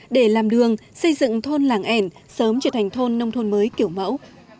để làm đường xây dựng thôn làng ẻn sớm trở thành thôn nông thôn mới kiểu mẫu